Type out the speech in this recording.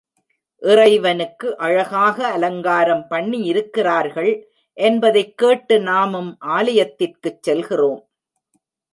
இறைவனுக்கு அழகாக அலங்காரம் பண்ணியிருக்கிறார்கள் என்பதைக் கேட்டு நாமும் ஆலயத்திற்குச் செல்கிறோம்.